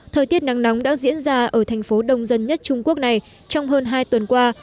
thời tiết nắng nóng đã diễn ra ở thành phố đông dân nhất trung quốc này trong hơn hai tuần qua